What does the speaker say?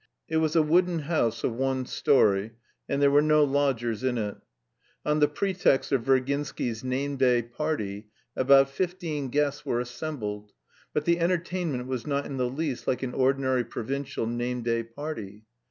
It was a wooden house of one story, and there were no lodgers in it. On the pretext of Virginsky's name day party, about fifteen guests were assembled; but the entertainment was not in the least like an ordinary provincial name day party.